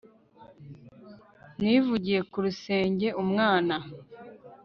nivugiye ku rusenge, umwana